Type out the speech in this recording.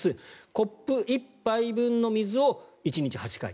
コップ１杯分の水を１日８回。